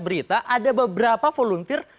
berita ada beberapa volunteer